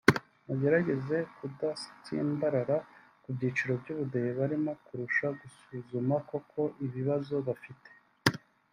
mugerageze kudatsimbarara ku byiciro by’Ubudehe barimo kurusha gusuzuma koko ibibazo bafite